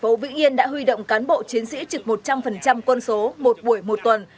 công an tp vịnh yên đã huy động cán bộ chiến sĩ trực một trăm linh quân số một buổi một tuần